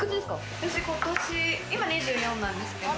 私今年、今２４なんですけれども。